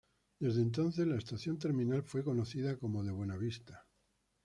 Desde entonces, la estación terminal fue conocida como de Buenavista.